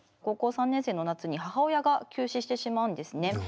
高校３年生の夏に母親が急死してしまうんですね。